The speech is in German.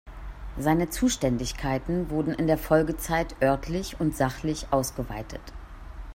Seine Zuständigkeiten wurden in der Folgezeit örtlich und sachlich ausgeweitet.